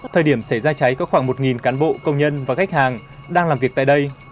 thời điểm xảy ra cháy có khoảng một cán bộ công nhân và khách hàng đang làm việc tại đây